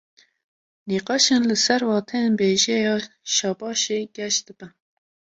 Nîqaşên li ser wateyên bêjeya "şabaş"ê geş dibin